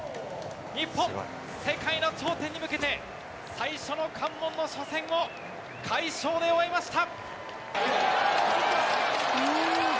日本、世界の頂点に向けて、最初の関門の初戦を快勝で終えました。